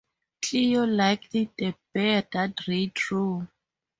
Cleo liked the bear that Ray drew.